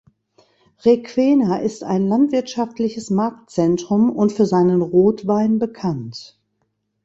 Requena ist ein landwirtschaftliches Marktzentrum und für seinen Rotwein bekannt.